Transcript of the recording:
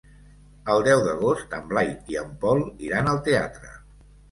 El deu d'agost en Blai i en Pol iran al teatre.